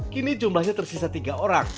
kini jumlahnya tersisa tiga orang